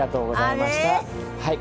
はい。